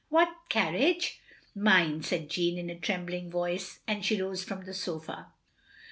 "What carriage?" "Mine," said Jeanne, in a trembling voice, and she rose from the sofa.